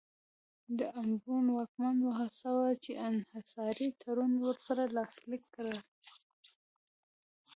د امبون واکمن وهڅاوه چې انحصاري تړون ورسره لاسلیک کړي.